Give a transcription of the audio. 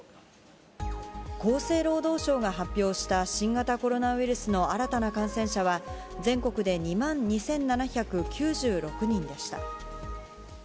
厚生労働省が発表した新型コロナウイルスの新たな感染者は、全国で２万２７９６人でした。